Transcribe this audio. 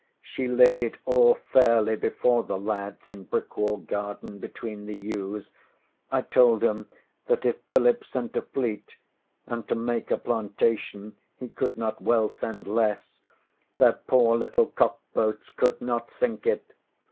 She laid it all fairly before the lads in Brickwall garden between the yews. I told ŌĆśem that if Philip sent a fleet (and to make a plantation he could not well send less), their poor little cock boats could not sink it.